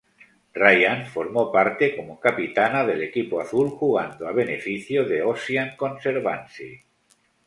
Ryan formó parte como capitana del equipo azul jugando a beneficio de "Ocean Conservancy".